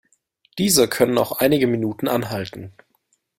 Diese können auch einige Minuten anhalten.